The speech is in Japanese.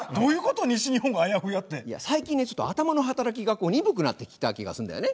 最近ねちょっと頭の働きが鈍くなってきた気がすんだよね。